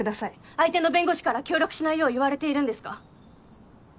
相手の弁護士から協力しないよう言われているんですか？